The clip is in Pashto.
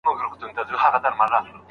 ميرمن به پر مخ نه وهې، هغه به نه تهديدوې.